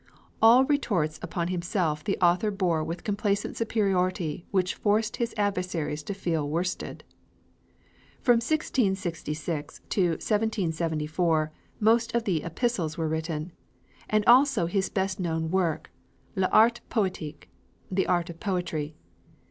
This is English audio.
All retorts upon himself the author bore with complacent superiority which forced his adversaries to feel worsted. From 1666 to 1774 most of the 'Epistles' were written; and also his best known work, 'L'Art poétique' (The Art of Poetry).